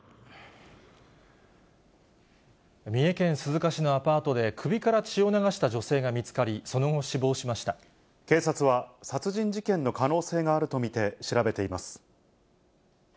三重県鈴鹿市のアパートで、首から血を流した女性が見つかり、警察は、殺人事件の可能性があると見て調べています。